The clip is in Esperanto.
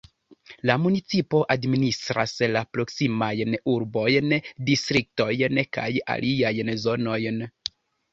La municipo administras la proksimajn urbojn, distriktojn kaj aliajn zonojn.